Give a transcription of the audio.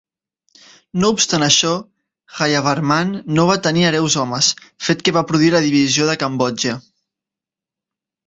No obstant això, Jayavarman no va tenir hereus homes, fet que va produir la divisió de Cambodja.